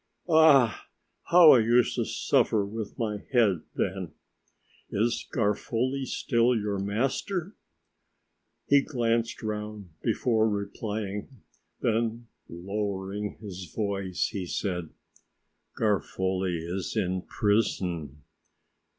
Ah! how I used to suffer with my head then." "Is Garofoli still your master?" He glanced round before replying, then lowering his voice he said: "Garofoli is in prison.